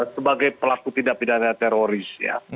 sebagai pelaku tidak pidana teroris